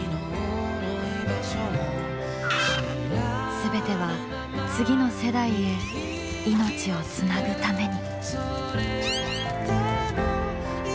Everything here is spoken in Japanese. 全ては次の世代へ命をつなぐために。